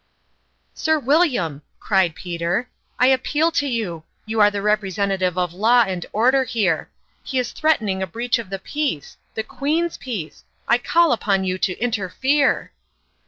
" "Sir William," cried Peter, "I appeal to you ! You are the representative of Law and Order here. He is threatening a breach of the Peace the Queen's Peace ! I call upon you to interfere